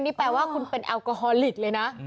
นี่แปลว่าคุณเป็นแอลกอฮอลลิกเลยนะ